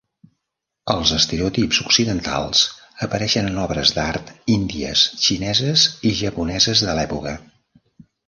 Els estereotips occidentals apareixen en obres d'art índies, xineses i japoneses de l'època.